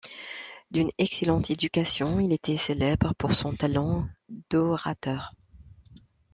D'une excellente éducation, il était célèbre pour son talent d’orateur.